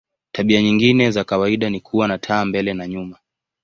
Tabia nyingine za kawaida ni kuwa na taa mbele na nyuma.